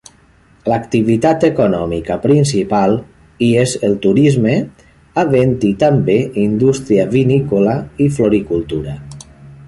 L'activitat econòmica principal hi és el turisme, havent-hi també indústria vinícola i floricultura.